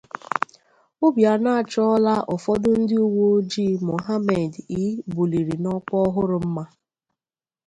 Obianọ Achọọla Ụfọdụ Ndị Uweojii Muhammed E Buliri n'Ọkwa Ọhụrụ Mma